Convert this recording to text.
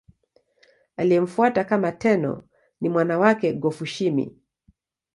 Aliyemfuata kama Tenno ni mwana wake Go-Fushimi.